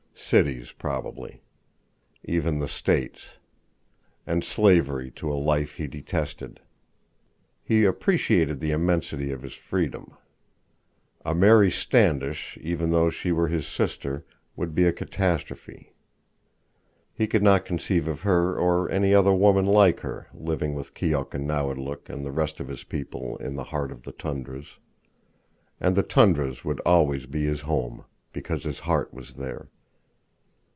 Cities, probably. Even the States. And slavery to a life he detested. He appreciated the immensity of his freedom. A Mary Standish, even though she were his sister, would be a catastrophe. He could not conceive of her, or any other woman like her, living with Keok and Nawadlook and the rest of his people in the heart of the tundras. And the tundras would always be his home, because his heart was there.